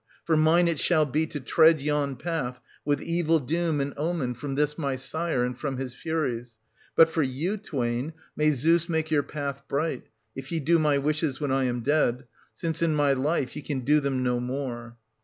For mine it now shall be to tread yon path, with evil doom and omen from this my sire and from his Furies ; but for you twain, may Zeus make your path bright, \{ ye do my wishes when I am dead, — since in my life ye can do them no more.